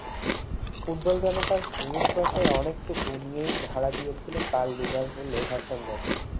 Football যেন তার রূপ-রসের অনেকটুকু নিয়েই ধরা দিয়েছিল কাল লিভারপুল-এভারটন ম্যাচে।